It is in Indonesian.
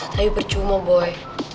tayu percuma boy